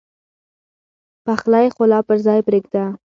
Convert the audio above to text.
پخلی خو لا پر ځای پرېږده.